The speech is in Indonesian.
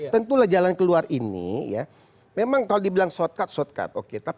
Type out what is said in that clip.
tentulah jalan keluar ini ya memang kalau dibilang shortcut shortcut